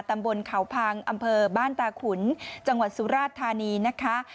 ตำบลเขาพังอำเภอบ้านตาขุนจังหวัดสุราชธานีนะคะ